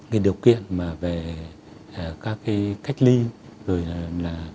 cái điều kiện mà về các cái cách ly rồi là